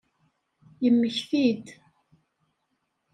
Yemmekti-d.